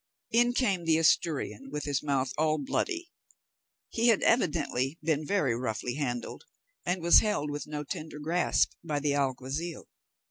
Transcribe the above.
In came the Asturian with his mouth all bloody. He had evidently been very roughly handled, and was held with no tender grasp by the alguazil.